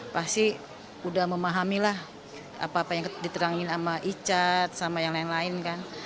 pasti udah memahami lah apa apa yang diterangin sama icat sama yang lain lain kan